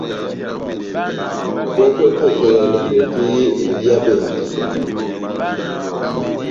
Pɔ́kwɛ-pɔ́kwɛ ya elɔmbɛ tɛ́h yé ehábíyabɛndi.